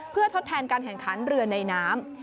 เพื่อทดแทนการแข่งขันเรือในน้ำ